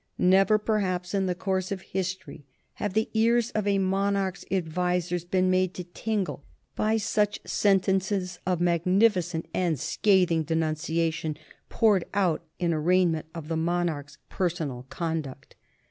Never perhaps in the course of history have the ears of a monarch's advisers been made to tingle by such sentences of magnificent and scathing denunciation poured out in arraignment of the monarch's personal conduct.